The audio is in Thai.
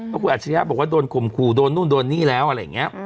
เพราะคุณอัจฉริยะบอกว่าโดนข่มขู่โดนนู่นโดนนี่แล้วอะไรอย่างนี้